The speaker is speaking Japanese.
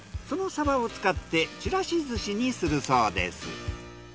そのサバを使ってちらし寿司にするそうです。